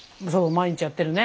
毎日やってるね。